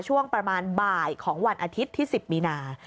ช่วงประมาณบ่ายของวันอาทิตย์ที่๑๐มีนา